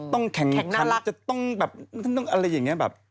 ต้องแข่งน่ารักอเจมส์จะต้องแบบอะไรอย่างนี้แบบ